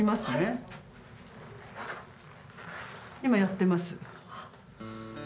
今やってます。